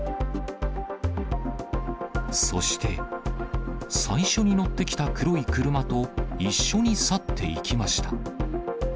そして、最初に乗ってきた黒い車と一緒に去っていきました。